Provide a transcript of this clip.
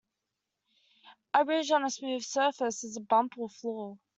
A ridge on a smooth surface is a bump or flaw.